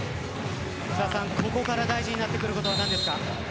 ここから大事になってくることはなんですか。